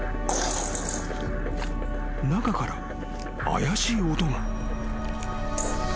・［中から怪しい音が］